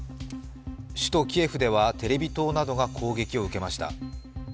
首都キエフではテレビ塔などが攻撃を受けました。